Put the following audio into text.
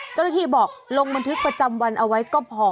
เจ้าหน้าที่บอกลงบันทึกประจำวันเอาไว้ก็พอ